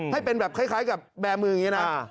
ให้เป็นแบบคล้ายกับแบร์มืออย่างนี้นะ